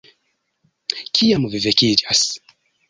Kiam vi vekiĝas